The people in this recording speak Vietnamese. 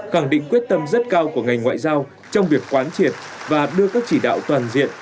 khẳng định quyết tâm rất cao của ngành ngoại giao trong việc quán triệt và đưa các chỉ đạo toàn diện